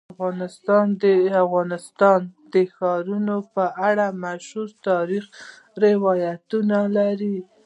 افغانستان د ښارونه په اړه مشهور تاریخی روایتونه لري.